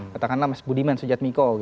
katakanlah mas budiman sujat miko